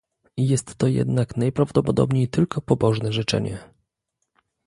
Jest to jednak najprawdopodobniej tylko pobożne życzenie